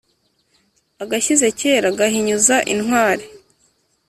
Agashyize kera gahinyuza intwari.